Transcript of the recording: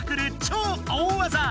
超大技！